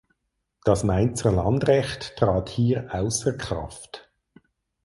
Das "Mainzer Landrecht" trat hier außer Kraft.